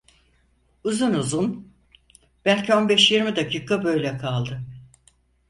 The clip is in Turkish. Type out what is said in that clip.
Uzun uzun, belki on beş yirmi dakika böyle kaldı.